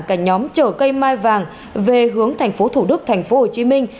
cả nhóm chở cây mai vàng về hướng thành phố thủ đức thành phố hồ chí minh